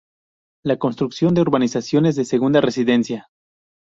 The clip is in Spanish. La construcción de urbanizaciones de segunda residencia.